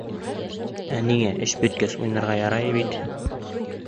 Ә ниңә, эш бөткәс, уйнарға ярай бит